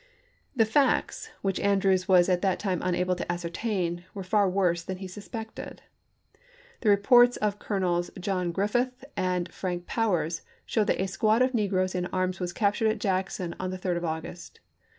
The facts, which Andrews was at that time unable to ascertain, were far worse than he suspected. The reports of Colonels John Griffith and Frank Powers show that a squad of negroes in arms was captured at Jackson on the 3d of August.